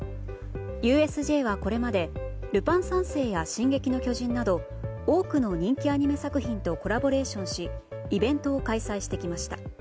ＵＳＪはこれまで「ルパン三世」や「進撃の巨人」など多くの人気アニメ作品とコラボレーションしイベントを開催してきました。